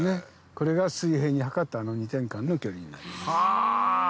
これが水平に測ったあの２点間の距離になります。